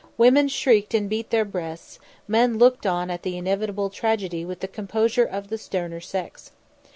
Women shrieked and beat their breasts, men looked on at the inevitable tragedy with the composure of the sterner sex.